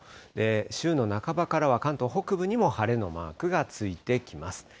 週の半ばからは関東北部にも晴れのマークがついてきます。